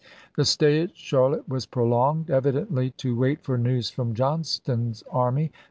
The stay at Charlotte was prolonged, evidently to wait for news from Johnston's army.